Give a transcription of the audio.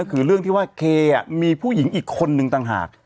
ก็คือเรื่องที่ว่าเคมีผู้หญิงอีกคนนึงต่างหาก